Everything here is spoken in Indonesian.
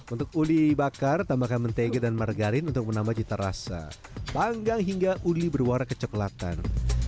untuk uli bakar tambahkan mentega dan margarin untuk menambah cita rasa panggang hingga uli berwarna kecoklatan